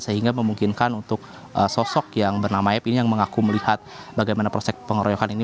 sehingga memungkinkan untuk sosok yang bernama app ini yang mengaku melihat bagaimana proses pengeroyokan ini